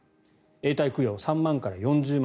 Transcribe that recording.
永代供養、３万から４０万